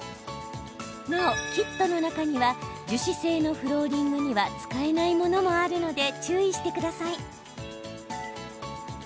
なお、キットの中には樹脂製のフローリングには使えないものもあるので注意してください。